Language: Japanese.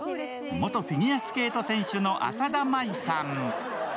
元フィギュアスケート選手の浅田舞さん。